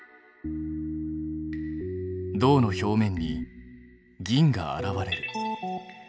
銅の表面に銀が現れる。